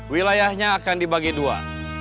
wilayahnya akan dibagi dua